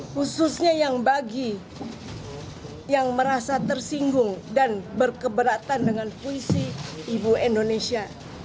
khususnya yang bagi yang merasa tersinggung dan berkeberatan dengan puisi ibu indonesia